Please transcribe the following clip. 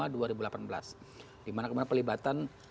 dimana kemudian pelibatan